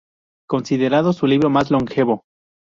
Considerándose su libro más longevo.